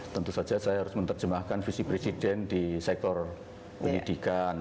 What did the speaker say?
tentu saja saya harus menerjemahkan visi presiden di sektor pendidikan